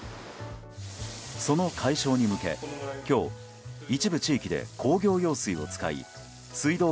その解消に向け今日、一部地域で工業用水を使い水道